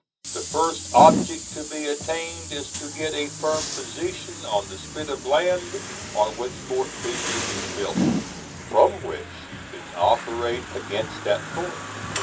The first object to be attained is to get a firm position on the spit of land on which Fort Fisher is built, from which you can operate against that fort.